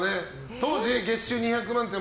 当時月収２００万と。